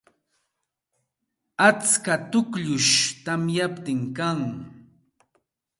Atska tukllum tamyaptin kan.